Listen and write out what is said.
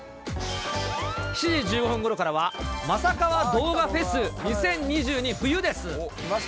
７時１５分ごろからは、まさカワ動画フェス２０２２冬です。